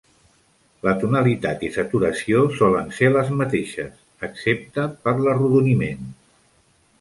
La tonalitat i saturació solen ser les mateixes, excepte per l'arrodoniment.